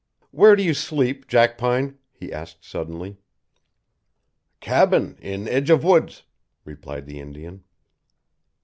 "Where do you sleep, Jackpine?" he asked suddenly. "Cabin in edge of woods," replied the Indian.